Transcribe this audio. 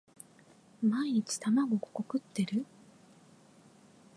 毎日卵五個食ってる？